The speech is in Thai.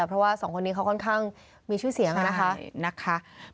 เพราะว่าสองคนนี้เขาค่อนข้างมีชื่อเสียงนะคะ